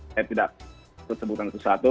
saya tidak sebutkan satu satu